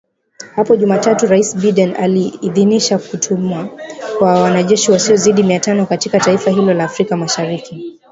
Hapo Jumatatu Raisi Biden aliidhinisha kutumwa kwa wanajeshi wasiozidi mia tano katika taifa hilo la Afrika mashariki